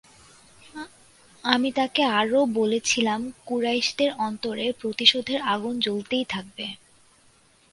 আমি তাকে আরো বলেছিলাম, কুরাইশদের অন্তরে প্রতিশোধের আগুন জ্বলতেই থাকবে।